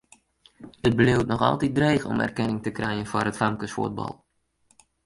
It bliuwt noch altyd dreech om erkenning te krijen foar it famkesfuotbal.